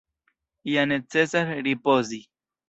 Ja necesas ripozi.